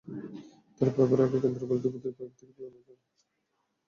তাঁর ফেরাকে কেন্দ্র করে দুপুর থেকেই বিমানবন্দর এলাকায় নিরাপত্তা জোরদার করা হয়।